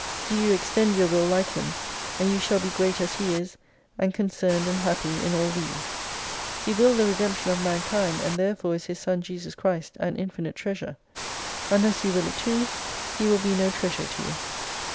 Do you extend your Will like Him and you shall be great as He is, and concerned and happy in all these. He willed the redemption of man kind, and therefore is His Son Jesus Christ an infinite treasure. Unless you will it too, He will be no treasure to you.